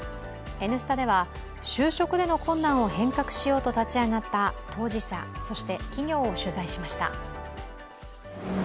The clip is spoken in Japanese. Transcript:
「Ｎスタ」では就職での困難を変革しようと立ち上がった当事者、そして企業を取材しました。